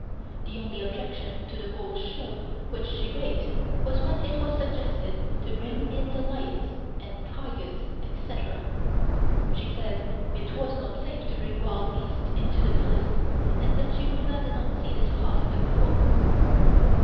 The only objection to the whole show which she raised was when it was suggested to bring in the lions and tigers, etc. She said it was not safe to bring wild beasts into the Palace and that she would rather not see this part of the performance.